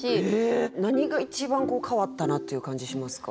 何が一番こう変わったなっていう感じしますか？